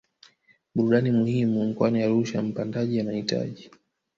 burudani muhimu mkoani Arusha Mpandaji anahitaji